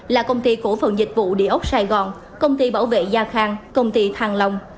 là công ty cổ phần dịch vụ địa ốc sài gòn công ty bảo vệ gia khang công ty thang long